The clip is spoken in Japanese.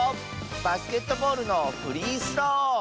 バスケットボールのフリースロー！